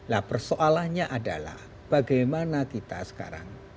nah persoalannya adalah bagaimana kita sekarang